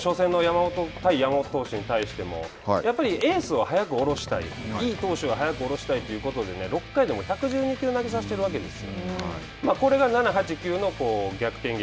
この初戦の対山本投手に対してもやっぱりエースを早くおろしたいいい投手を早くおろしたいということで６回で１１２球を投げさせているわけですよ。